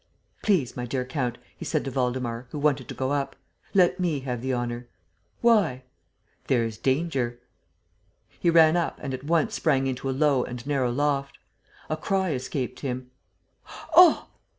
"Please, my dear count," he said to Waldemar, who wanted to go up, "let me have the honor." "Why?" "There's danger." He ran up and at once sprang into a low and narrow loft. A cry escaped him: "Oh!"